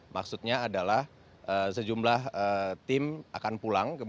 maksudnya adalah sejumlah tim akan pulang